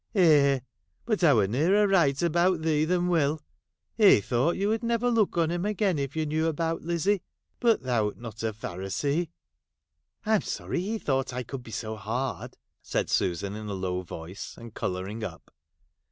' Eh ! but I were nearer right about thee than Will. He thought you would never look on him again if you knew about Lizzie. But thou 'rt not a Pharisee.' ' I 'm sorry he thought I could be so hard,' said Susan in a low voice, and colouring up.